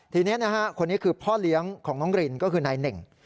ทีนี้คนนี้คือพ่อเลี้ยงของน้องรินก็คือนายเน่ง